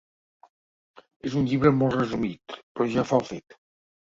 És un llibre molt resumit, però ja fa el fet.